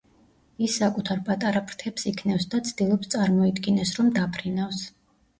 ის საკუთარ პატარა ფრთებს იქნევს და ცდილობს წარმოიდგინოს, რომ დაფრინავს.